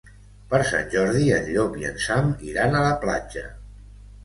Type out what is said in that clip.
Per Sant Jordi en Llop i en Sam iran a la platja.